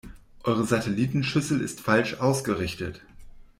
Eure Satellitenschüssel ist falsch ausgerichtet.